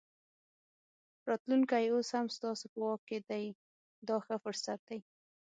راتلونکی اوس هم ستاسو په واک دی دا ښه فرصت دی.